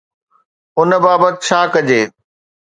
ان بابت ڇا ڪجي؟